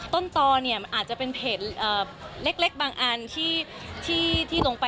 ตอเนี่ยมันอาจจะเป็นเพจเล็กบางอันที่ลงไป